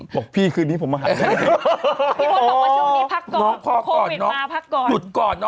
บอกพี่คืนนี้ผมมาหาพี่